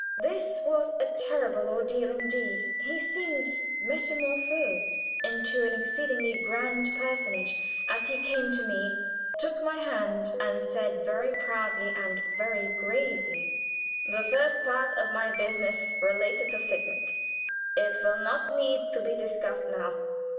This was a terrible ordeal indeed. He seemed metamorphosed into an exceedingly grand personage as he came to me, took my hand, and said, very proudly and very gravely: "The first part of my business related to Sigmund. It will not need to be discussed now.